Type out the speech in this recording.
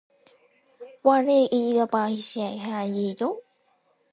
我的应援棒怎么变成复合弓了？